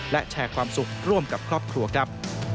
และแชร์ความสุขร่วมกับครอบครัวครับ